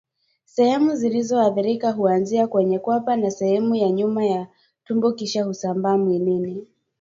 Sehemu zilizoathirika huanzia kwenye kwapa na sehemu ya nyuma ya tumbo kisha husambaa mwilini